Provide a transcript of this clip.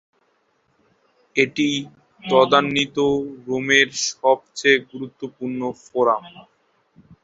এটি তদানীন্তন রোমের সবচেয়ে গুরুত্বপূর্ণ ফোরাম।